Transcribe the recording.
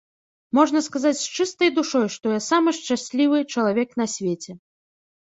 Можна сказаць з чыстай душой, што я самы шчаслівы чалавек на свеце.